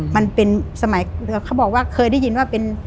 มันเป็นสมัยเขาบอกว่าเคยได้ยินว่าเป็น